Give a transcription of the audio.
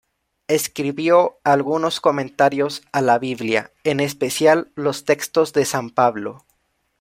Escribió algunos comentarios a la Biblia, en especial los textos de san Pablo.